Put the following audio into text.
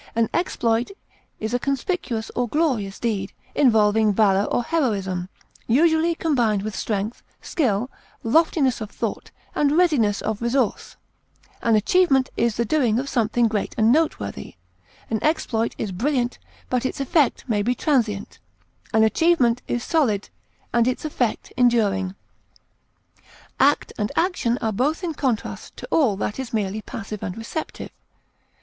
An exploit is a conspicuous or glorious deed, involving valor or heroism, usually combined with strength, skill, loftiness of thought, and readiness of resource; an achievement is the doing of something great and noteworthy; an exploit is brilliant, but its effect may be transient; an achievement is solid, and its effect enduring. Act and action are both in contrast to all that is merely passive and receptive.